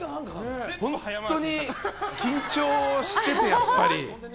本当に緊張してて、やっぱり。